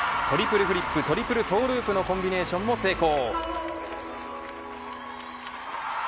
トリプルフリップトリプルトゥループのコンビネーションを成功。